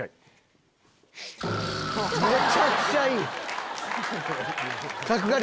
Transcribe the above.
めちゃくちゃいい！